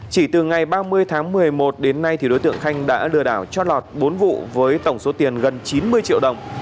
chỉ từ ngày ba mươi tháng một mươi một đến nay đối tượng khanh đã lừa đảo trót lọt bốn vụ với tổng số tiền gần chín mươi triệu đồng